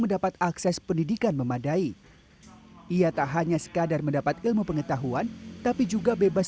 mendapat akses pendidikan memadai ia tak hanya sekadar mendapat ilmu pengetahuan tapi juga bebas